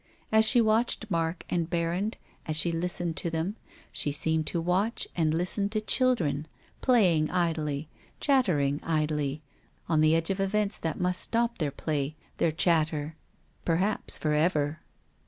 As she watched Mark and Berrand, as she listened to them, she seemed to watch and h'sten to children, playing idly, chattering idly, on the edge of events that must stop their play, their chatter — perhaps for ever.